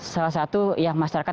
salah satu yang masyarakat